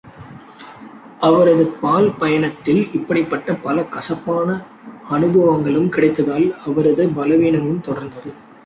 அவரது பால்பயணத்தில் இப்படிப்பட்ட பல கசப்பான அநுபவங்களும் கிடைத்ததால், அவரது பலவீனமும் தொடர்ந்தது.